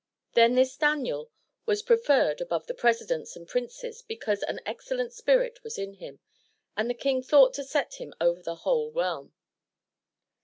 Then this Daniel was preferred above the presidents and princes because an excellent spirit was in him, and the king thought to set him over the whole realm.